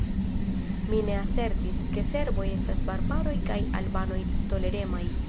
Mi ne asertis, ke serboj estas barbaroj kaj albanoj toleremaj.